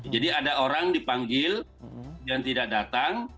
jadi ada orang dipanggil dan tidak datang